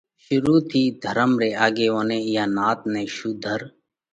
شرُوعات ٿِي ڌرم ري آڳيووني اِيئا نات نئہ شُوڌر